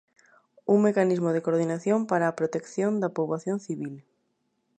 Un mecanismo de coordinación para a protección da poboación civil.